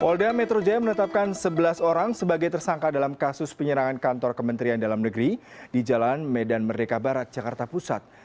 polda metro jaya menetapkan sebelas orang sebagai tersangka dalam kasus penyerangan kantor kementerian dalam negeri di jalan medan merdeka barat jakarta pusat